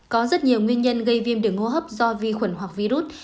có rất nhiều nguyên nhân gây viêm đường hô hấp do vi khuẩn hoặc virus